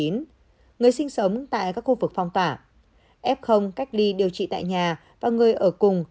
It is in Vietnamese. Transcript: người sinh sống tại các khu vực phong tả f cách ly điều trị tại nhà và người ở cùng